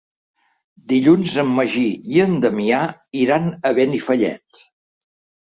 Dilluns en Magí i na Damià iran a Benifallet.